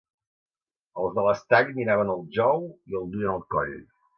Els de l'Estall miraven el jou i el duien al coll.